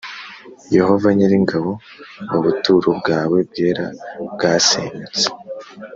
Yehova nyir ingabo ubuturo bwawe bwera bwasenyutse